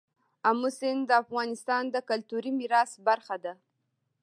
آمو سیند د افغانستان د کلتوري میراث برخه ده.